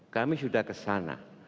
kami sudah kesana